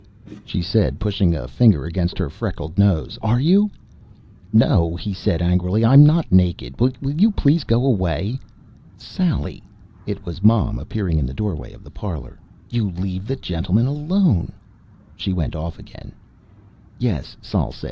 she said, pushing a finger against her freckled nose. "Are you?" "No," he said angrily. "I'm not naked. Will you please go away?" "Sally!" It was Mom, appearing in the doorway of the parlor. "You leave the gentleman alone." She went off again. "Yes," Sol said.